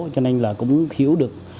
cho nên là cũng hiểu được